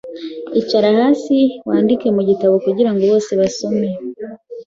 icara hasi wandike Mu gitabo kugirango bose basome